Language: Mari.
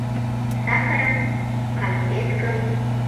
Сакырым, кампеткым.